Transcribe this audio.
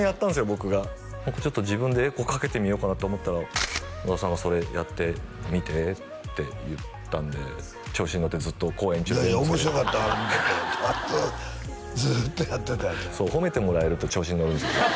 僕がちょっと自分でエコーかけてみようかなって思ったら野田さんが「それやってみて」って言ったんで調子に乗ってずっと公演中全部それでいやいや面白かったわあれ見ててずっとやってたんやってそう褒めてもらえると調子に乗るんですよ